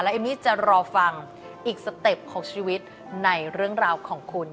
เอมมี่จะรอฟังอีกสเต็ปของชีวิตในเรื่องราวของคุณ